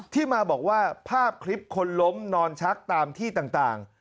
ที่มาบอกว่าภาพคลิปคนล้มนอนชักตามที่ต่าง